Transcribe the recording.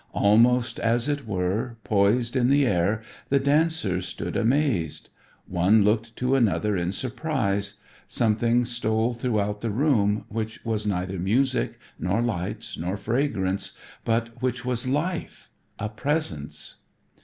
Almost, as it were, poised in the air, the dancers stood amazed. One looked to another in surprise. Something stole throughout the room which was neither music, nor lights, nor fragrance, but which was life a presence!